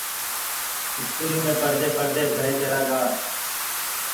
اسڪولي مي پڙهدي پڙهدي گھري چيلآ گوآ